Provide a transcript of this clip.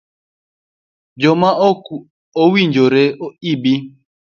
Joma ok owinjore ibi